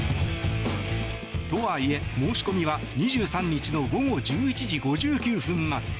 とはいえ、申し込みは２３日の午後１１時５９分まで。